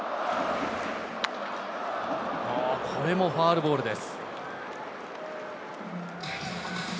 これもファウルボールです。